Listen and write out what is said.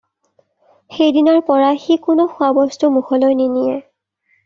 সেই দিনাৰ পৰা সি কোনো খোৱা বস্তু মুখলৈ নিনিয়ে